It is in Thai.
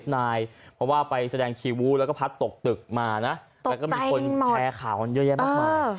เพราะว่าไปแสดงคิววู้แล้วก็พัดตกตึกมานะแล้วก็มีคนแชร์ข่าวกันเยอะแยะมากมาย